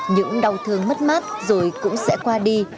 những đau thương mất mát rồi cũng sẽ qua đi